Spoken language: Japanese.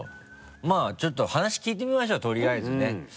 まぁちょっと話聞いてみましょうとりあえずね。